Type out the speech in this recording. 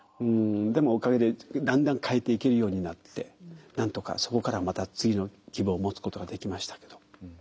でもおかげでだんだん変えていけるようになってなんとかそこからまた次の希望を持つことができましたけど。